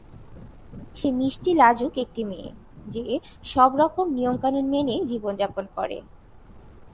সে মিষ্টি লাজুক একটি মেয়ে, যে সব রকম নিয়মকানুন মেনে জীবন যাপন করে।